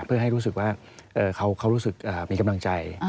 เพื่อให้รู้สึกว่าเขารู้สึกมีกำลังใจ